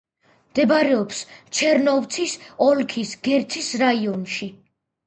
მდებარეობს ჩერნოვცის ოლქის გერცის რაიონში.